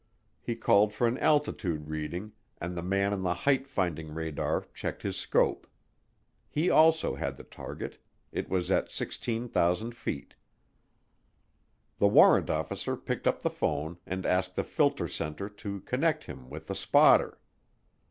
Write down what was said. He called for an altitude reading, and the man on the height finding radar checked his scope. He also had the target it was at 16,000 feet. The warrant officer picked up the phone and asked the filter center to connect him with the spotter.